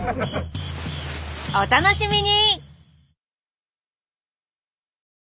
お楽しみに。